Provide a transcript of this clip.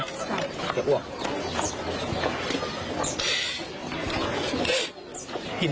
ครับอย่าอ้วน